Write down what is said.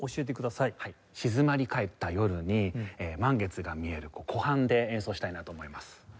静まりかえった夜に満月が見える湖畔で演奏したいなと思います。